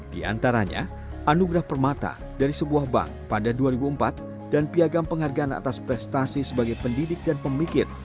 di antaranya anugerah permata dari sebuah bank pada dua ribu empat dan piagam penghargaan atas prestasi sebagai pendidik dan pemikir